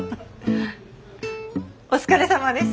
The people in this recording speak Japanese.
お疲れさまです。